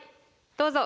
どうぞ。